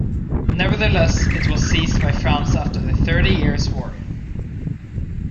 Nevertheless, it was seized by France after the Thirty Years' War.